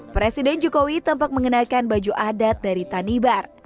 presiden jokowi tampak mengenakan baju adat dari tanibar